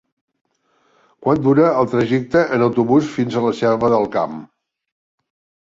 Quant dura el trajecte en autobús fins a la Selva del Camp?